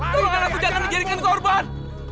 tolong anakku jangan dijadikan korban